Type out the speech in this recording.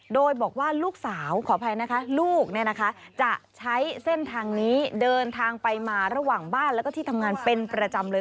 โดยบอกว่าลูกสาวขออภัยนะคะลูกเนี่ยนะคะจะใช้เส้นทางนี้เดินทางไปมาระหว่างบ้านแล้วก็ที่ทำงานเป็นประจำเลย